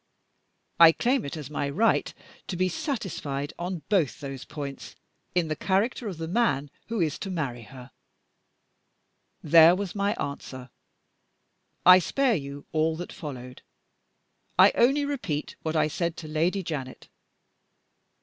I claim it as my right to be satisfied on both those points in the character of the man who is to marry her.' There was my answer. I spare you all that followed. I only repeat what I said to Lady Janet.